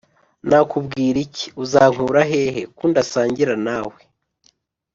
Nakubwiriki uzankurahehe kundasangira nawe